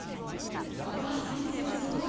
うわ先生すごい！